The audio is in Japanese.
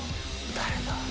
誰だ？